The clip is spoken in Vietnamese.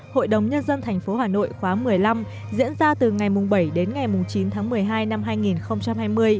hội đồng nhân dân tp hà nội khóa một mươi năm diễn ra từ ngày bảy đến ngày chín tháng một mươi hai năm hai nghìn hai mươi